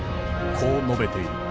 こう述べている。